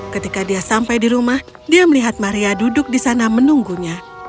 ketika dia sampai di rumah dia melihat maria duduk di sana menunggunya